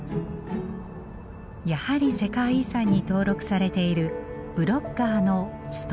やはり世界遺産に登録されているブロッガーのストーンサークルです。